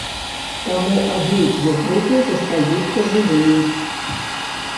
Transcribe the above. Таму абедзве групы застаюцца жывымі.